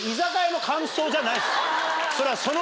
それは。